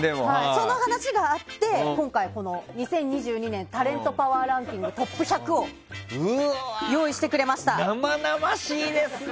その話があって今回２０２２年タレントパワーランキングトップ１００を用意してくれました。